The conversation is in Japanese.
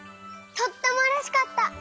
とってもうれしかった。